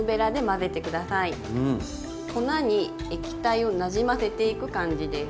粉に液体をなじませていく感じです。